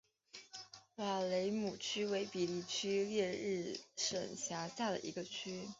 瓦雷姆区为比利时列日省辖下的一个区。